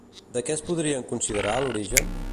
De què es podrien considerar l'origen?